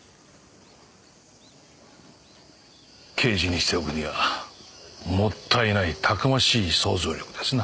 刑事にしておくにはもったいないたくましい想像力ですな。